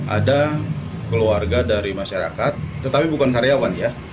ada keluarga dari masyarakat tetapi bukan karyawan ya